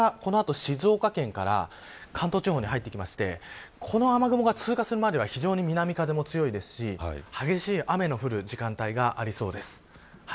これがこの後静岡県から関東地方に入ってきてこの雨雲が通過するまでは非常に南風も強いですし激しい雨の降る時間帯がありそうです。